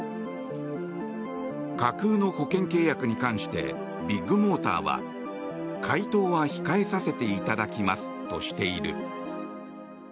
架空の保険契約に関してビッグモーターは回答は控えさせていただきますとしている。